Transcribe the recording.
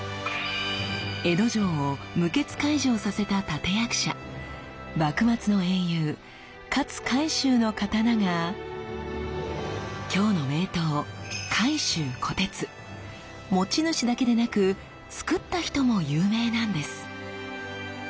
江戸城を無血開城させた立て役者幕末の英雄勝海舟の刀がきょうの名刀持ち主だけでなくつくった人も有名なんです。